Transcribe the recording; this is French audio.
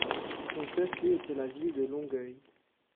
Son chef-lieu était la ville de Longueuil.